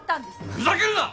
ふざけるな！